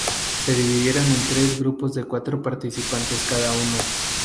Se dividieron en tres grupos de cuatro participantes cada uno.